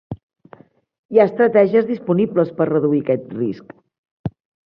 Hi ha estratègies disponibles per reduir aquest risc.